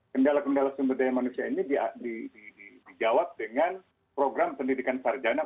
kendala kendala sumber daya manusia ini dijawab dengan program pendidikan sarjana